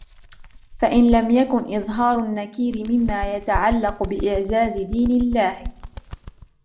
فَإِنْ لَمْ يَكُنْ إظْهَارُ النَّكِيرِ مِمَّا يَتَعَلَّقُ بِإِعْزَازِ دِينِ اللَّهِ